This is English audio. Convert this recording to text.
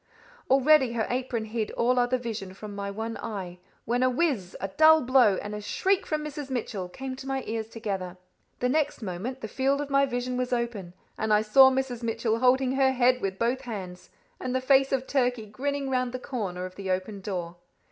Already her apron hid all other vision from my one eye, when a whizz, a dull blow, and a shriek from Mrs. Mitchell came to my ears together. The next moment, the field of my vision was open, and I saw Mrs. Mitchell holding her head with both hands, and the face of Turkey grinning round the corner of the open door.